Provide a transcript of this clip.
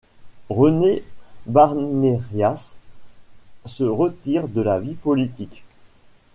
René Barnérias se retire de la vie politique.